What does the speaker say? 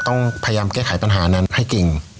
ต้องพยายามแก้ไขปัญหานั้นให้เก่ง